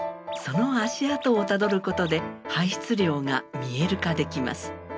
その足あとをたどることで排出量が「見える化」できます。